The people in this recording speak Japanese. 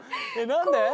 何で？